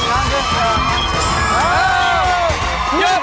ยิงยิงยิง